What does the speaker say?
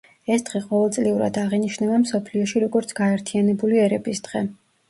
ეს დღე ყოველწლიურად აღინიშნება მსოფლიოში როგორც გაერთიანებული ერების დღე.